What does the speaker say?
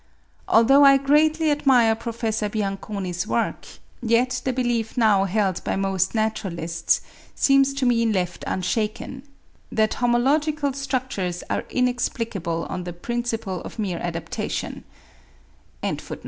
Although I greatly admire Prof. Bianconi's work, yet the belief now held by most naturalists seems to me left unshaken, that homological structures are inexplicable on the principle of mere adaptation.)